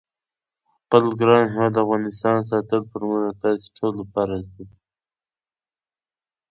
خپل ګران هیواد افغانستان ساتل پر موږ او تاسی ټولوفرض دی